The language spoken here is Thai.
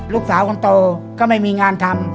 ลูกสาวคนโตก็ไม่มีงานทำ